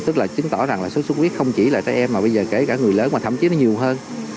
tức là chứng tỏ rằng là sốt xuất huyết không chỉ là tới em mà bây giờ kể cả người lớn mà thậm chí nó nhiều hơn